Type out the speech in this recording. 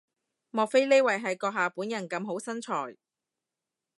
莫非呢位係閣下本人咁好身材？